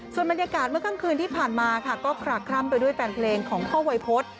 ส่วนบรรยากาศเมื่อค่ำคืนที่ผ่านมาค่ะก็คลักคร่ำไปด้วยแฟนเพลงของพ่อวัยพฤษ